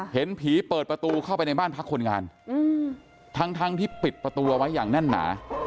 เห็นผีเปิดประตูเข้าไปในบ้านพักคนงานทั้งที่ปิดประตูเอาไว้อย่างแน่นหนา